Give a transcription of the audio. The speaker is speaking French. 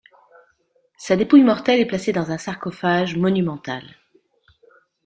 Sa dépouille mortelle est placé dans un sarcophage monumental.